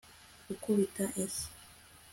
gukubita inshyi